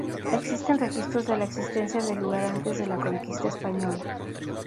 Existen registros de la existencia del lugar antes de la conquista Española.